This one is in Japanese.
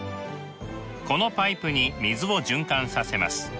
このパイプに水を循環させます。